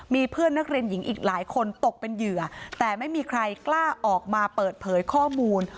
มีเพื่อนนักเรียนหญิงอีกหลายคนตกเป็นเหยื่อแต่ไม่มีใครกล้าออกมาเปิดเผยข้อมูล